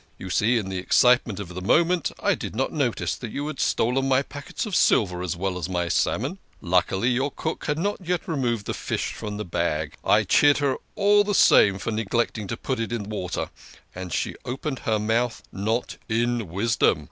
You see in the excitement of the moment I did not notice that you had stolen my packets of silver as well as my salmon. Luckily your cook had not yet removed the fish from the bag I chid her all the same for neglecting to put it into water, and she opened her THE KING OF SCHNORRERS. 33 mouth not in wisdom.